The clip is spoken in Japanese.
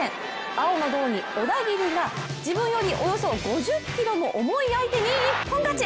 青の胴着・小田桐が自分よりおよそ５０ｋｇも重い相手に一本勝ち。